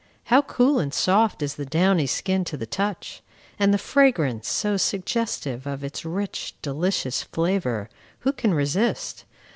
How cool and soft is the downy skin to the touch! And the fragrance, so suggestive of its rich, delicious flavor, who can resist?